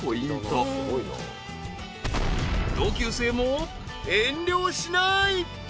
［同級生も遠慮しない］